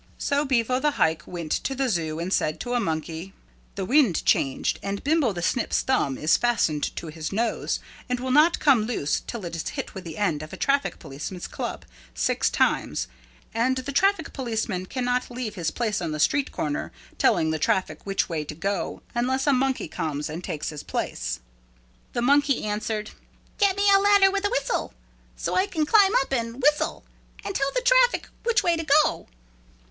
So Bevo the Hike went to the zoo and said to a monkey, "The wind changed and Bimbo the Snip's thumb is fastened to his nose and will not come loose till it is hit with the end of a traffic policeman's club six times and the traffic policeman cannot leave his place on the street corner telling the traffic which way to go unless a monkey comes and takes his place." The monkey answered, "Get me a ladder with a whistle so I can climb up and whistle and tell the traffic which way to go."